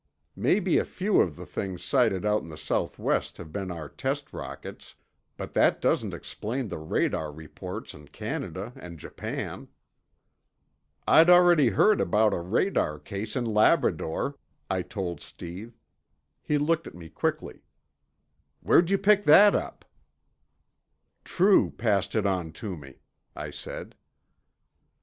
Maybe few of the things sighted out in the Southwest have beer our test rockets, but that doesn't explain the radar reports in Canada and Japan." "I'd already heard about a radar case in Labrador," I told Steve. He looked at me quickly. "Where'd you pick that up;" "True passed it on to me," I said.